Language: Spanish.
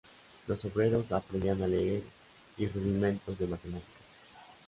Los obreros aprendían a leer y rudimentos de matemáticas.